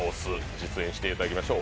実演していただきましょう。